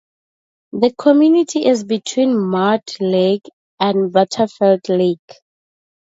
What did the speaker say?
The community is between Mud Lake and Butterfield Lake.